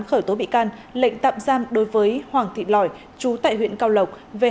khởi tố bị can lệnh tạm giam đối với hoàng thị lỏi chú tại huyện cao lộc